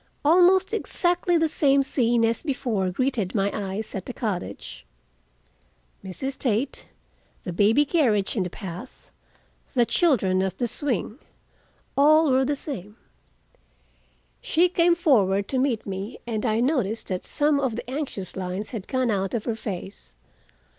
Almost exactly the same scene as before greeted my eyes at the cottage. Mrs. Tate, the baby carriage in the path, the children at the swing—all were the same. She came forward to meet me, and I noticed that some of the anxious lines had gone out of her face.